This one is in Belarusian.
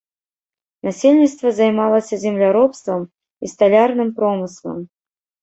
Насельніцтва займалася земляробствам і сталярным промыслам.